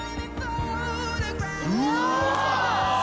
「うわ！」